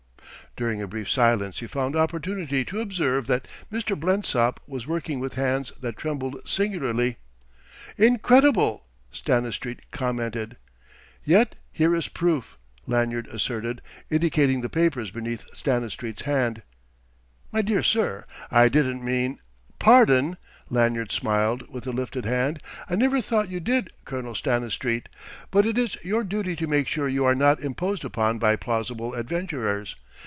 During a brief silence he found opportunity to observe that Mr. Blensop was working with hands that trembled singularly. "Incredible!" Stanistreet commented. "Yet here is proof," Lanyard asserted, indicating the papers beneath Stanistreet's hand. "My dear sir, I didn't mean " "Pardon!" Lanyard smiled, with a lifted hand. "I never thought you did, Colonel Stanistreet. But it is your duty to make sure you are not imposed upon by plausible adventurers.